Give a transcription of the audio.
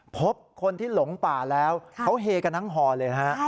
พบคนที่หลงป่าแล้วเขาเฮกันทั้งห่อเลยนะฮะ